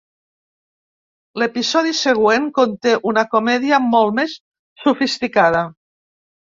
L'episodi següent conté una comèdia molt més sofisticada.